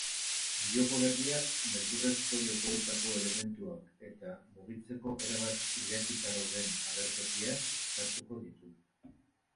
Joko berriak beldurrezko jokoetako elementuak eta mugitzeko erabat irekita dauden agertokiak uztartuko ditu.